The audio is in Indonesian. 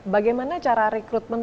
bagaimana cara rekrutmen